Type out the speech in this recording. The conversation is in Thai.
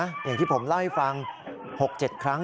อย่างที่ผมเล่าให้ฟัง๖๗ครั้ง